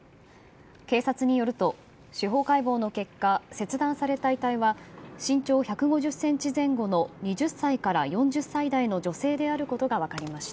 警察によると、司法解剖の結果切断された遺体は身長１５０ｃｍ前後の２０歳から４０歳代の女性であることが分かりました。